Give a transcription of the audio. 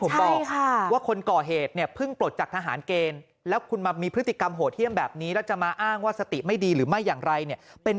เพิ่งปลดทหารเกณฑ์มาจำได้ไหมที่ผมบอก